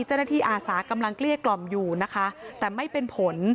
เจ้าหน้าที่อาศักดิ์กำลังเกลี้ยกล่อมอยู่นะคะแต่ไม่เป็นผล